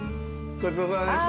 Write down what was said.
ごちそうさまでした。